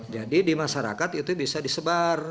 jadi di masyarakat itu bisa disebar